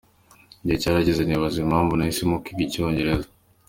Igihe cyarageze nibaza impamvu nahisemo kwiga Icyongereza.